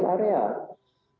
sebagai res area